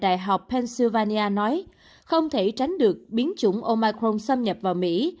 đại học pennsylvania nói không thể tránh được biến chủng omicron xâm nhập vào mỹ